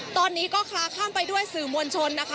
ตอนนี้ก็ค้าข้ามไปด้วยสื่อมวลชนนะคะ